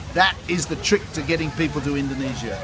itu adalah trik untuk mengembangkan orang ke indonesia